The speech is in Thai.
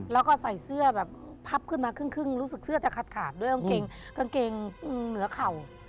แล้วก็ใส่เสื้อแบบพับขึ้นมาครึ่งรู้สึกเสื้อจะขาดขาดด้วยกางเกงกางเกงเหนือเข่า